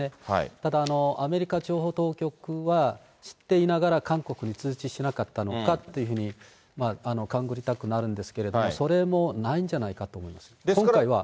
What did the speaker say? ただ、アメリカ情報当局は、知っていながら、韓国に通知しなかったのかというふうに勘ぐりたくなるんですけれども、それもないんじゃないかと思います。